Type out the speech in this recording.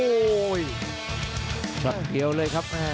โอ้โหหลักเดียวเลยครับ